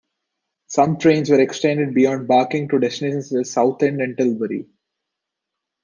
Some trains were extended beyond Barking to destinations such as Southend and Tilbury.